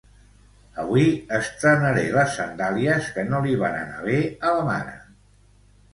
Avui estrenaré les sandàlies que no li van anar bé a la mare